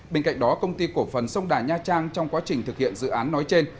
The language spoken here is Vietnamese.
bên cạnh đó công ty cổ phần sông đà nha trang trong quá trình thực hiện dự án nói trên